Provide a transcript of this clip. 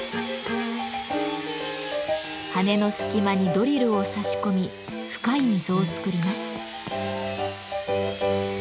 羽の隙間にドリルを差し込み深い溝を作ります。